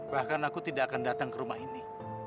bahkan aku tidak akan datang ke rumah ini